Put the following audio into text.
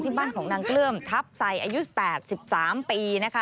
ที่บ้านของนางเกลื้อมทัพไสน์อายุ๑๘ปี